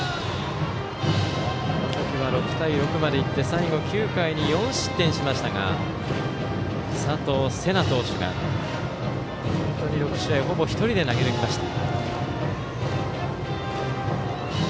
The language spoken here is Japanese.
あの時は６対６まで行って最後９回に４失点しましたが佐藤世那投手が６試合をほぼ１人で投げ抜きました。